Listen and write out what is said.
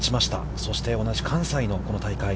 そして同じ関西のこの大会。